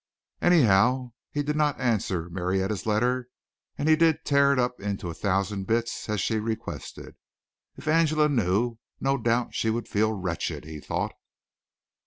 Anyhow he did not answer Marietta's letter, and he did tear it up into a thousand bits, as she requested. "If Angela knew no doubt she would feel wretched," he thought.